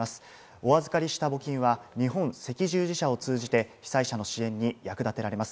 お預かりした募金は日本赤十字社を通じて被災者の支援に役立てられます。